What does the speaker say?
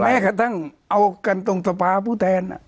แม้กระทั่งเอากันตรงสภาผู้แทน